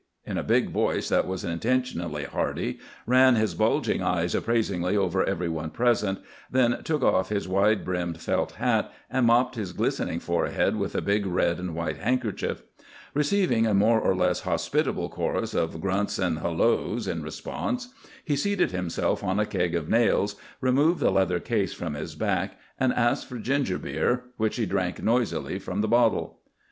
in a big voice that was intentionally hearty, ran his bulging eyes appraisingly over every one present, then took off his wide brimmed felt hat and mopped his glistening forehead with a big red and white handkerchief. Receiving a more or less hospitable chorus of grunts and "hullos" in response, he seated himself on a keg of nails, removed the leather case from his back, and asked for ginger beer, which he drank noisily from the bottle.